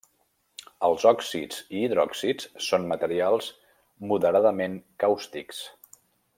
Els òxids i hidròxids són materials moderadament càustics.